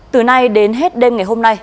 từ nay đến hết đêm ngày hôm nay